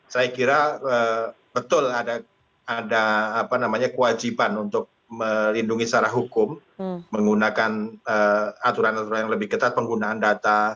saya kira betul ada kewajiban untuk melindungi secara hukum menggunakan aturan aturan yang lebih ketat penggunaan data